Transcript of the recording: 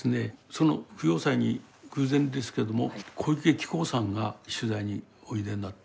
その供養祭に偶然ですけども小池喜孝さんが取材においでになって。